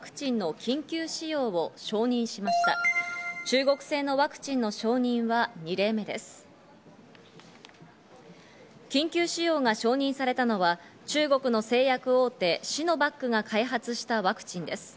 緊急使用が承認されたのは、中国の製薬大手シノバックが開発したワクチンです。